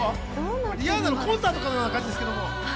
リアーナのコンサートのような感じですけど。